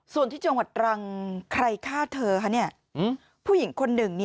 ส่วนที่จังหวัดตรังใครฆ่าเธอคะผู้หญิงคนหนึ่ง